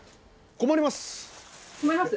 困ります？